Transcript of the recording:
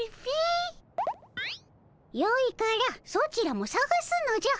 よいからソチらもさがすのじゃ。